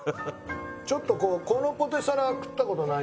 ちょっとこのポテサラは食った事ないよね。